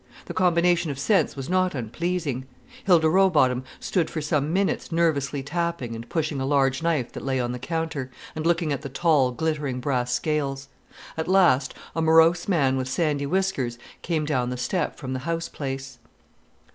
The combination of scents was not unpleasing. Hilda Rowbotham stood for some minutes nervously tapping and pushing a large knife that lay on the counter, and looking at the tall, glittering brass scales. At last a morose man with sandy whiskers came down the step from the house place.